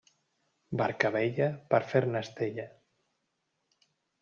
Barca vella, per fer-ne estella.